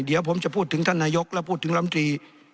เดี๋ยวผมจะพูดถึงท่านนายกแล้วพูดถึงลำตรี